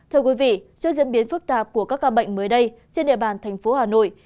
trước diễn biến phức tạp của các ca bệnh mới đây trên địa bàn thành phố hà nội